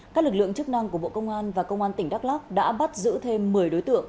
các lực lượng chức năng của bộ công an và công an tỉnh đắk lắc đã bắt giữ thêm một mươi đối tượng